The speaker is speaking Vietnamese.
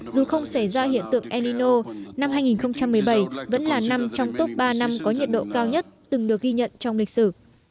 dù không xảy ra hiện tượng enino năm hai nghìn một mươi bảy vẫn là năm trong top ba năm có nhiệt độ cao nhất từng được ghi nhận trong lịch sử